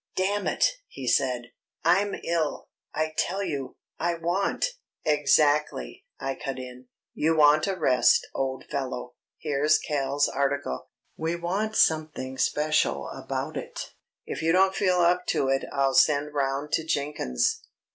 "Damn it," he said, "I'm ill, I tell you; I want ..." "Exactly!" I cut in. "You want a rest, old fellow. Here's Cal's article. We want something special about it. If you don't feel up to it I'll send round to Jenkins."